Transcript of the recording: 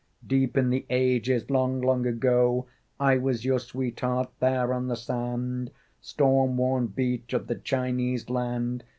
Deep in the ages, long, long ago, I was your sweetheart, there on the sand Storm worn beach of the Chinese land?